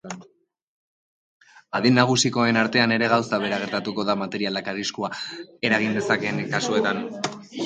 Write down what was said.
Adin nagusikoen artean ere gauza bera gertatuko da materialak arriskua eragin dezakeen kasuetan.